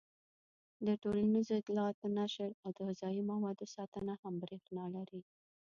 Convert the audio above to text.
د ټولنیزو اطلاعاتو نشر او د غذايي موادو ساتنه هم برېښنا لري.